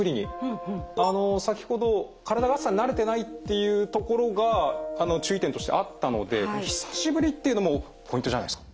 あの先ほど体が暑さに慣れてないっていうところが注意点としてあったので「久しぶり」っていうのもポイントじゃないですか？